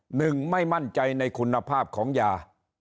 หนึ่งไม่มั่นใจในคุณภาพของยา